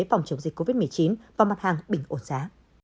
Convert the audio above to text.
phòng chống dịch covid một mươi chín và mặt hàng bình ổn giá